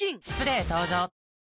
スプレー登場！